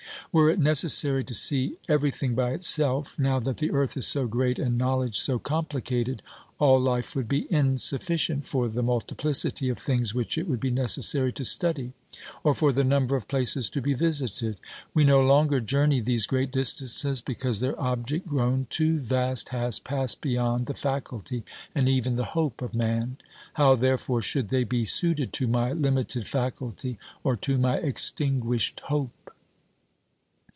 Were it necessary to see everything by itself, now that the earth is so great and knowledge so complicated, all life would be insufficient for the multiplicity of things which it would be necessary to study, or for the number of places to be visited. We no longer journey these great distances because their object, grown too vast, has passed beyond the faculty and even the hope of man ; how, therefore, should they be suited to my limited faculty or to my extinguished hope?